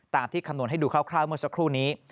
ที่คำนวณให้ดูคร่าวเมื่อสักครู่นี้